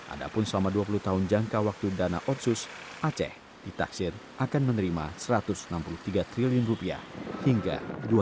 adapun selama dua puluh tahun jangka waktu dana otsus aceh ditaksir akan menerima rp satu ratus enam puluh tiga triliun hingga dua ribu dua puluh